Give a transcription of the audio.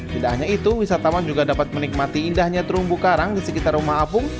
tidak hanya itu wisatawan juga dapat menikmati indahnya terumbu karang di sekitar rumah apung